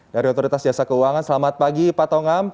dari otoritas jasa keuangan selamat pagi pak tongam